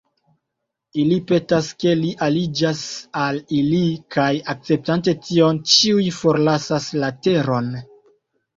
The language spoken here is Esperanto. Ili petas ke li aliĝas al ili, kaj akceptante tion, ĉiuj forlasas la teron.